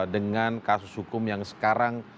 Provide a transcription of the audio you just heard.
dengan kasus hukum yang sekarang